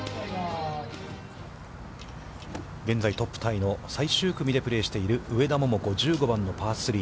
現在トップタイの最終組でプレーしている上田桃子、１５番のパー３。